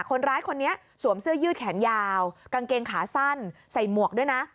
คนร้ายคนนี้สวมเสื้อยืดแขนยาวกางเกงขาสั้นใส่หมวกด้วยนะ